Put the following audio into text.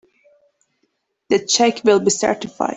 The check will be certified.